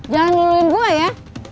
jangan nguruin gue